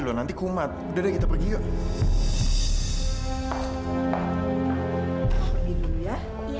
loh nanti kumat udah kita pergi yuk iya iya